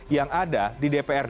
yang ada di dprk